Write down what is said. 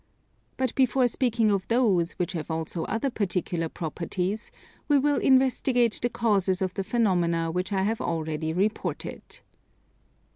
But before speaking of those, which have also other particular properties, we will investigate the causes of the phenomena which I have already reported.